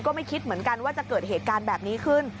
ไม่คิดเหมือนกันว่าจะเกิดเหตุการณ์แบบนี้ขึ้น